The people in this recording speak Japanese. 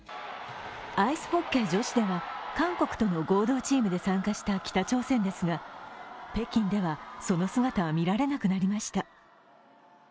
アイスホッケー女子では、韓国との合同チームで参加した北朝鮮ですが北京では、その姿は見られなくなりました。